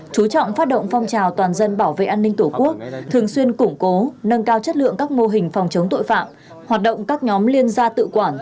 chú trọng phát động phong trào toàn dân bảo vệ an ninh tổ quốc thường xuyên củng cố nâng cao chất lượng các mô hình phòng chống tội phạm hoạt động các nhóm liên gia tự quản